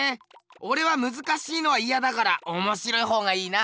おれはむずかしいのはイヤだからおもしろいほうがいいな。